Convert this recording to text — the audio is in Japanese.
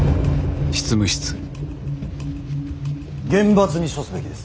厳罰に処すべきです。